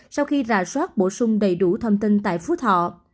sau khi rà soát bổ sung đầy đủ thông tin tại phú thọ